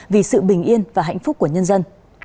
vì sự bình yên và hạnh phúc của nhân dân